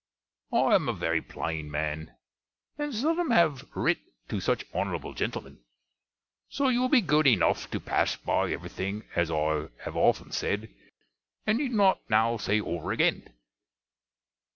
I am a very plane man, and seldom have writ to such honourable gentlemen; so you will be good enuff to pass by every thing, as I have often said, and need not now say over again.